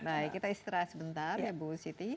baik kita istirahat sebentar ya bu siti